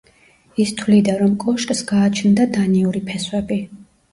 ის თვლიდა, რომ კოშკს გააჩნდა დანიური ფესვები.